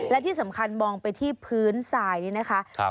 และที่สำคัญมองไปที่พื้นทรายนี่นะคะ